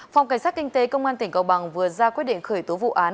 phòng cảnh sát kinh tế công an tỉnh cao bằng vừa ra quyết định khởi tố vụ án